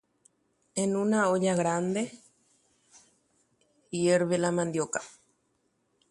Peteĩ japepo guasúpe katu oñembopupu mandiʼo.